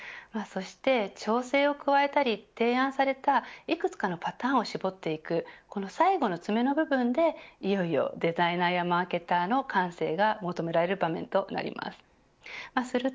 そして調整を加えたり提案されたいくつかのパターンを絞っていくこの最後の詰めの部分でいよいよデザイナーやマーケッターの感性が求められる場面となります。